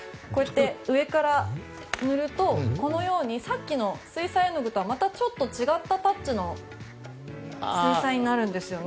上から塗るとさっきの水彩絵の具とはまたちょっと違ったタッチの水彩になるんですよね